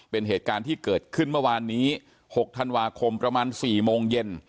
เป็นเหตุการณ์ที่เกิดขึ้นเมื่อวานนี้๖ธันวาคมประมาณ๔โมงเย็น